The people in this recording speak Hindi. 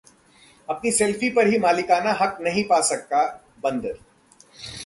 अपनी सेल्फी पर ही मालिकाना हक नहीं पा सका बंदर